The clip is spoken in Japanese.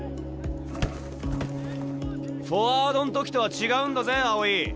フォワードん時とは違うんだぜ青井。